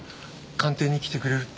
鑑定に来てくれるって？